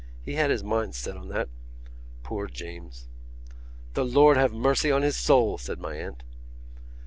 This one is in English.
He had his mind set on that.... Poor James!" "The Lord have mercy on his soul!" said my aunt.